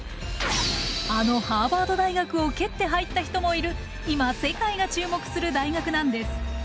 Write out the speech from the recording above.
あのハーバード大学を蹴って入った人もいる今世界が注目する大学なんです。